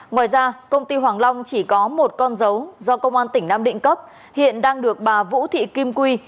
ngoài ra công ty hoàng long chỉ có một con dấu do công an tỉnh nam định cấp hiện đang được bà vũ thị kim quy